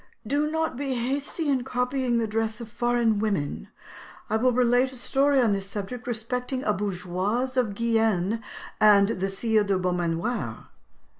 "Do not be hasty in copying the dress of foreign women. I will relate a story on this subject respecting a bourgeoise of Guyenne and the Sire de Beaumanoir.